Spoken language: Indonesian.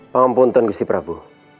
maaf tuan gusti prabu